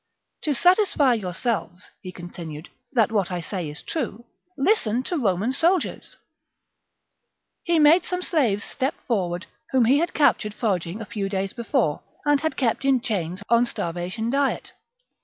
"To satisfy yourselves," he continued, "that what I say is true, listen to Roman soldiers !" He made some slaves step forward, whom he had captured foraging a few days before, and had kept in chains on starvation diet.